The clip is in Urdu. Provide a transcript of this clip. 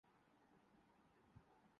تو کیوبا کو۔